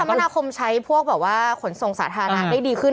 ถ้ากรรมนาคมใช้พวกบอกว่าขนส่งสาธารณะได้ดีขึ้น